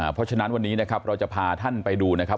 เพราะฉะนั้นวันนี้นะครับเราจะพาท่านไปดูนะครับ